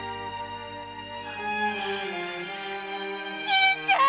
兄ちゃん！